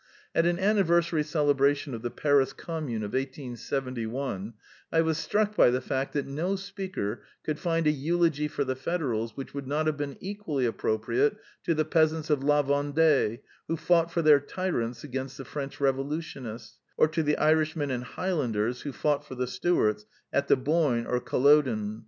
At an anniversary celebration of the Paris Com mune of 1 87 1, I was struck by the fact that no speaker could find a eulogy for the Federals which would not have been equally appropriate to the peasants of La Vendee who fought for their tyrants against the French revolutionists, or to the Irishmen and Highlanders who fought for the Stuarts at the Boyne or CuUoden.